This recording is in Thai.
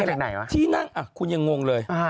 เจ้ามีตีนั่งอ่ะคุณยังงงเลย